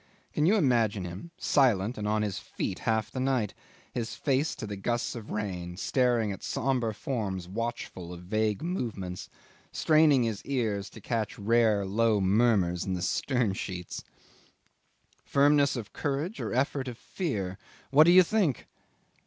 Can you imagine him, silent and on his feet half the night, his face to the gusts of rain, staring at sombre forms watchful of vague movements, straining his ears to catch rare low murmurs in the stern sheets! Firmness of courage or effort of fear? What do you think?